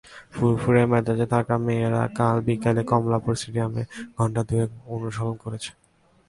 ফুরফুরে মেজাজে থাকা মেয়েরা কাল বিকেলে কমলাপুর স্টেডিয়ামে ঘণ্টা দুয়েক অনুশীলন করেছে।